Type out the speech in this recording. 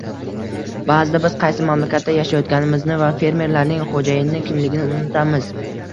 Ba'zida biz qaysi mamlakatda yashayotganimizni va fermerlarning "xo'jayini" kimligini unutamiz